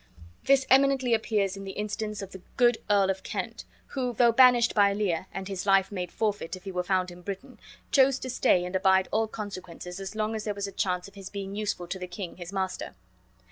This eminently appears in the instance of the good Earl of Kent, who, though banished by Lear, and his life made forfeit if he were found in Britain, chose to stay and abide all consequences as long as there was a chance of his being useful to the king his master.